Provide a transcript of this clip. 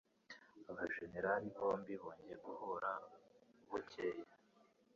Abajenerali bombi bongeye guhura bukeye.